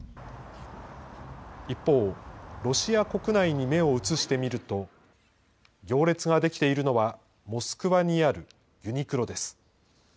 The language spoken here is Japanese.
一方、ロシア国内に目を移してみると、行列が出来ているのは、モスクワにあるユニクロです。